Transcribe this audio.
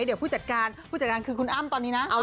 เดี๋ยวผู้จัดการคือคุณอัมตอนนี้